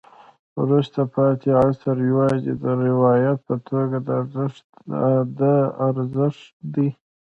وروسته پاتې عصر یوازې د روایت په توګه د ارزښت دی.